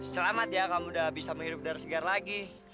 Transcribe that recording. selamat ya kamu udah bisa menghidup darah segar lagi